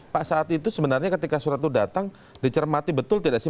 pak saat itu sebenarnya ketika surat itu datang dicermati betul tidak sih